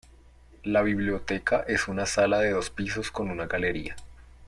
La biblioteca es una sala de dos pisos con una galería.